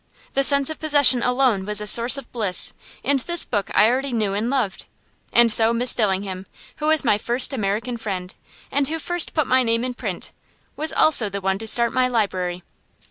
The sense of possession alone was a source of bliss, and this book I already knew and loved. And so Miss Dillingham, who was my first American friend, and who first put my name in print, was also the one to start my library.